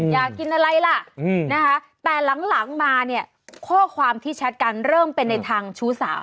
อยากกินอะไรล่ะนะคะแต่หลังมาเนี่ยข้อความที่แชทกันเริ่มเป็นในทางชู้สาว